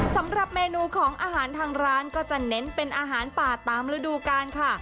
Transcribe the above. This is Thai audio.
สำหรับเมนูของอาหารทางร้านก็จะเน้นเป็นอาหารป่าตามฤดูกาลค่ะ